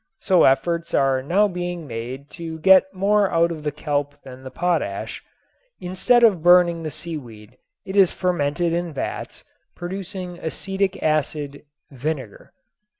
So efforts are now being made to get more out of the kelp than the potash. Instead of burning the seaweed it is fermented in vats producing acetic acid (vinegar).